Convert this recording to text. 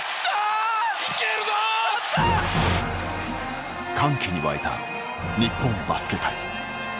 続く歓喜に沸いた日本バスケ界。